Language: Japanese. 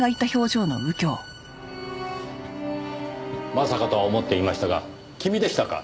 まさかとは思っていましたが君でしたか。